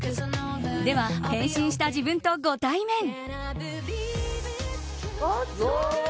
では、変身した自分とご対面。